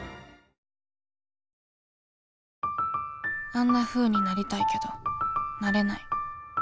あんなふうになりたいけどなれない